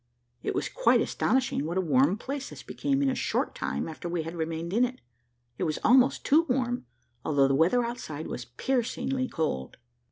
It was quite astonishing what a warm place this became in a short time after we had remained in it. It was almost too warm, although the weather outside was piercingly cold.